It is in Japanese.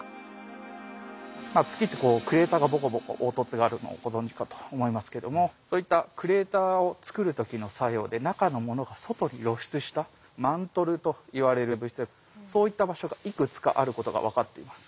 月ってクレーターがボコボコ凹凸があるのをご存じかと思いますけどもそういったクレーターを作る時の作用で中のものが外に露出したマントルといわれる物質でそういった場所がいくつかあることが分かっています。